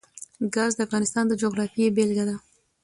ګاز د افغانستان د جغرافیې بېلګه ده.